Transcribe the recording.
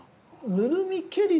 「ぬるみけり」